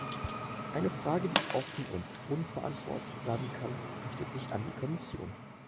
Eine Frage, die offen und unbeantwortet bleiben kann, richtet sich an die Kommission.